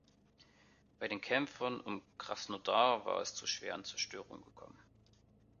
Bei den Kämpfen um Krasnodar war es zu schweren Zerstörungen gekommen.